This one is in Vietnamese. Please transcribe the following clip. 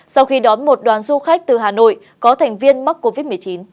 sau khi đón một đoàn du khách từ hà nội có thành viên mắc covid một mươi chín